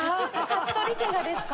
服部家がですか？